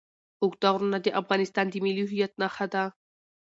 اوږده غرونه د افغانستان د ملي هویت نښه ده.